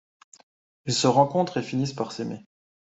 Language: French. Ils se rencontrent et finissent par s'aimer.